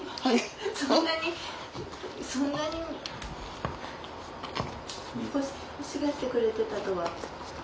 そんなにそんなに欲しがってくれてたとは。